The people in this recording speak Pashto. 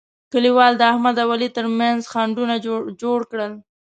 کلیوالو د احمد او علي ترمنځ خنډونه جوړ کړل.